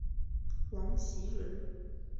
王袭人。